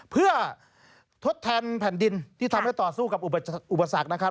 เพื่อทดแทนแผ่นดินที่ทำให้ต่อสู้กับอุปสรรคนะครับ